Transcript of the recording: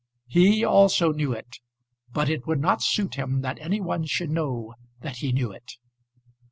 He also knew it, but it would not suit him that any one should know that he knew it!